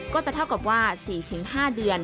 ก็จะเท่ากับว่า๔๕เดือน